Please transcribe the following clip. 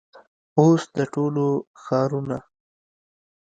او س د ټولو ښارونو